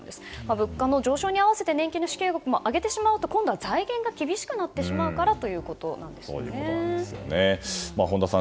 物価の上昇に合わせて年金の支給額も上げてしまうと今度は財源が厳しくなってしまうから本田さん